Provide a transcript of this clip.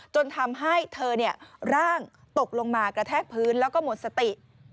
จนทำให้เธอร่างตกลงมากระแทกพื้นแล้วก็หมดสติ